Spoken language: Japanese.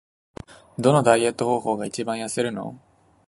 どのダイエット方法が一番痩せるの？